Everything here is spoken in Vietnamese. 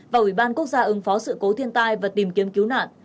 và ủy ban quốc gia ứng phó sự cố thiên tai và tìm kiếm cứu nạn